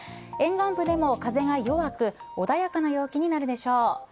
沿岸部でも風が弱く穏やかな陽気になるでしょう。